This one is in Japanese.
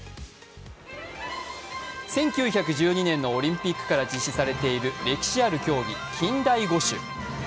１９１２年のオリンピックから実施されている歴史ある競技、近代五種。